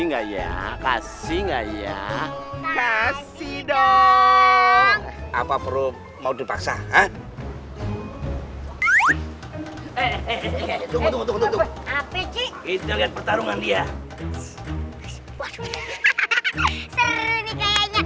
nggak ya kasih nggak ya kasih dong apa perlu mau dipaksa eh eh eh eh itu lihat pertarungan dia